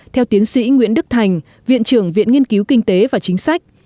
theo tiến sĩ nguyễn đức thành viện trưởng viện nghiên cứu kinh tế và chính sách